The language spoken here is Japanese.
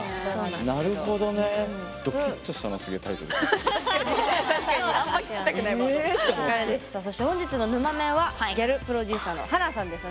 さあそして本日のぬまメンはギャルプロデューサーの華さんです。